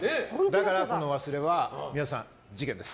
だから、この忘れは皆さん、事件です！